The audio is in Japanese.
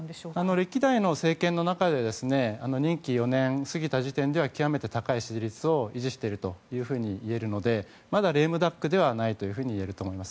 歴代の政権の中で任期４年過ぎた時点では極めて高い支持率を維持しているといえるのでまだ、レームダックではないといえると思います。